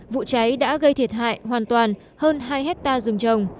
vụ cháy đã gây thiệt hại hoàn toàn hơn hai hectare rừng trồng